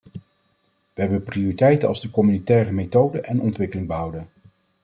We hebben prioriteiten als de communautaire methode en ontwikkeling behouden.